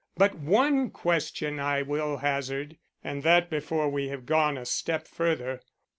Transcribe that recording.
But one question I will hazard, and that before we have gone a step further.